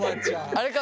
あれか？